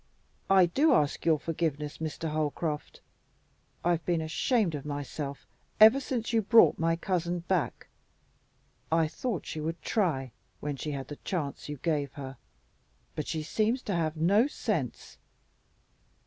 I do ask your forgiveness, Mr. Holcroft. I've been ashamed of myself ever since you brought my cousin back. I thought she would try, when she had the chance you gave her, but she seems to have no sense."